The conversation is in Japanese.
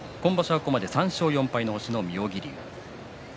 ここまで３勝４敗の星の妙義龍。